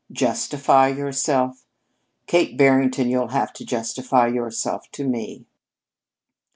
Justify yourself? Kate Barrington, you'll have to justify yourself to me."